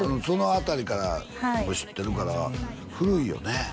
そのあたりから知ってるから古いよね